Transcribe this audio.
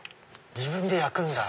自分で焼くんだ。